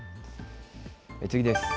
次です。